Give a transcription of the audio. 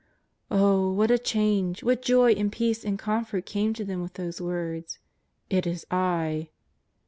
'' Oh, what a change, what joy and peace and comfort came to them with those words: ''It is I